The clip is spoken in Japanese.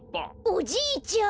おじいちゃん。